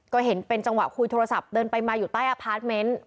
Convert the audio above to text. ก็เห็นเป็นจังหวะคุยโทรศัพท์เดินไปมาอยู่ใต้อพาร์ทเมนต์